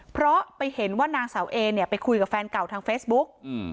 เพราะไปเห็นว่านางสาวเอเนี่ยไปคุยกับแฟนเก่าทางเฟซบุ๊ก